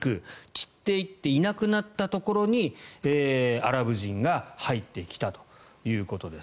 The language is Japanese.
散っていっていなくなったところにアラブ人が入ってきたということです。